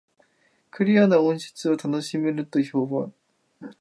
クリアな音質を楽しめると評判